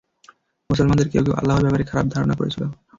মুসলমানদের কেউ কেউ আল্লাহর ব্যাপারে খারাপ ধারণা করেছিল।